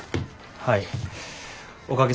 はい。